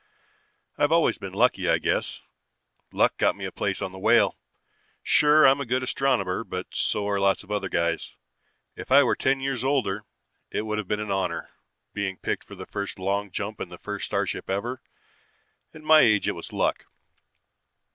"I've always been lucky, I guess. Luck got me a place in the Whale. Sure I'm a good astronomer but so are lots of other guys. If I were ten years older, it would have been an honor, being picked for the first long jump in the first starship ever. At my age it was luck.